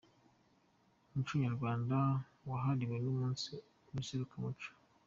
Umuco nyarwanda wahariwe umunsi mu iserukiramuco